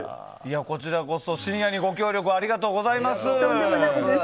こちらこそ深夜にご協力ありがとうございます。